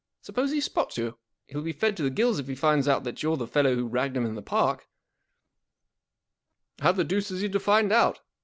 Suppose he spots you ? He'll be fed to the gills if he finds out that you're the fellow who ragged him in the Park/ 1 How the deuce is he to find out